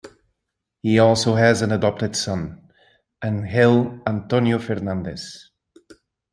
He also has an adopted son, Angel Antonio Fernandez.